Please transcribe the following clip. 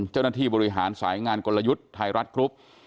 เจ้าหน้าที่บริหารสายงานกลยุทธ์ไทยรัฐกรุ๊ป